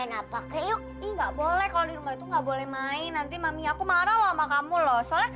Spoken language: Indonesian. yuk nggak boleh kalau itu nggak boleh main nanti mami aku marah sama kamu loh soalnya